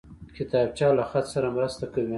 کتابچه له خط سره مرسته کوي